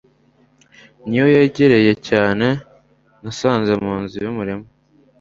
niyo yegereye cyane nasanze munzu yumurima